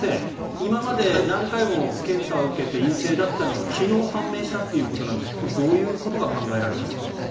今まで何回も検査を受けて陰性だったのに昨日判明したということですがこれはどういうことが考えられますか。